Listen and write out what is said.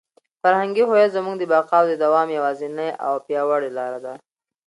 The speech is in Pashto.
فرهنګي هویت زموږ د بقا او د دوام یوازینۍ او پیاوړې لاره ده.